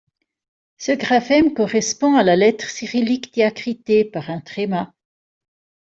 Ce graphème correspond à la lettre cyrillique diacritée par un tréma.